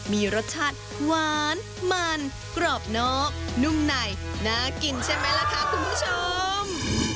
มีรสชาติหวานมันกรอบนอกนุ่มในน่ากินใช่ไหมล่ะคะคุณผู้ชม